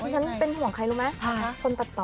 ฉันเป็นห่วงใครรู้มั้ยคนตัดต่อ